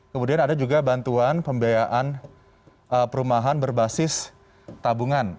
kemudian ada juga bantuan pembiayaan perumahan berbasis tabungan